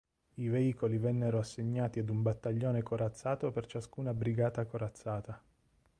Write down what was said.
I veicoli vennero assegnati ad un battaglione corazzato per ciascuna brigata corazzata.